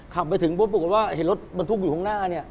ขับไปถึงปรากฏว่าเห็นรถบรรทุกอยู่ข้างหน้า